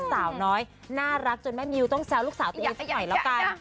สาวน้อยน่ารักจนแม่มิวต้องแซวลูกสาวตัวเองสักหน่อยแล้วกัน